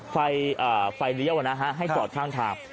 ไฟเรียวนะฮะให้จอดข้างทาง